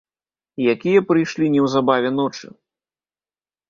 Якія прыйшлі неўзабаве ночы!